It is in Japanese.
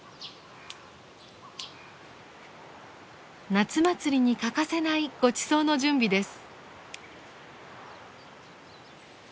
夏祭りに欠かせないごちそうの準備です。